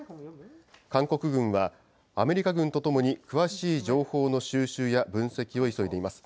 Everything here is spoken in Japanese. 韓国軍は、アメリカ軍とともに詳しい情報の収集や分析を急いでいます。